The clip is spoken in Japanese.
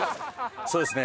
そうですね